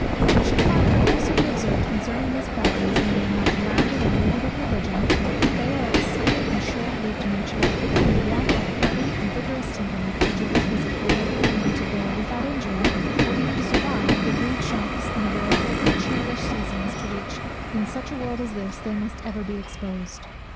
It should farther also be observed concerning these qualities, when they are not grounded and rooted in religion, that they are of a sickly and short lived nature, and want that hardy and vigorous temperament, which is requisite for enabling them to bear without injury, or even to survive, the rude shocks and the variable and churlish seasons, to which in such a world as this they must ever be exposed.